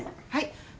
はい。